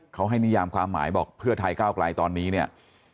เขาให้นิยามความหมายบอกเพื่อไทยก้าวไกลตอนนี้เนี่ย